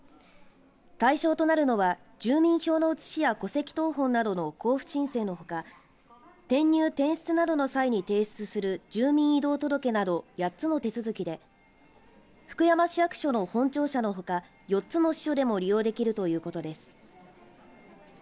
対象となるのは住民票の写しや戸籍謄本などの交付申請のほか転入、転出などの際に提出する住民移動届けなど８つの手続きで福山市役所の本庁舎のほか４つの市町でも利用できるということです。